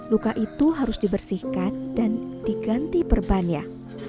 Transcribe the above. luka itu harus dibersihkan dan diganti perbannya